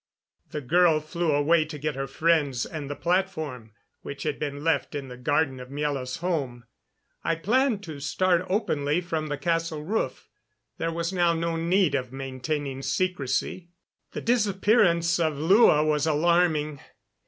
The girl flew away to get her friends and the platform, which had been left in the garden of Miela's home. I planned to start openly from the castle roof; there was now no need of maintaining secrecy. The disappearance of Lua was alarming.